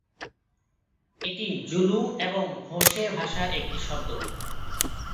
এটি জুলু এবং হোসে ভাষার একটি শব্দ।